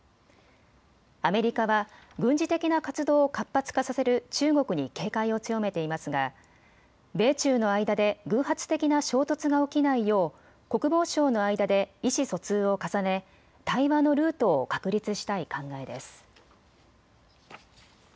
アメリカは軍事的な活動を活発化させる中国に警戒を強めていますが米中の間で偶発的な衝突が起きないよう国防相の間で意思疎通を重ね、対話のルートを確立したい考えです。